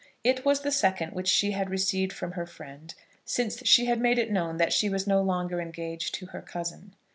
It was the second which she had received from her friend since she had made it known that she was no longer engaged to her cousin.